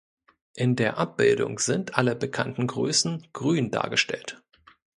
In der Abbildung sind alle bekannten Größen grün dargestellt.